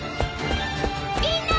みんな！